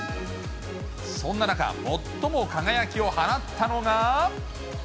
そんな中、最も輝きを放ったのが。